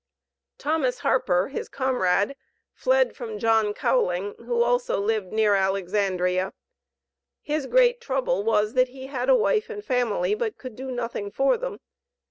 Thomas Harper, his comrade, fled from John Cowling, who also lived near Alexandria. His great trouble was, that he had a wife and family, but could do nothing for them.